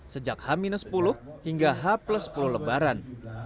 sejak h sepuluh hingga h sepuluh lebaran